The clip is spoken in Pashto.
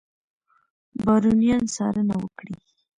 بارونیان څارنه وکړي.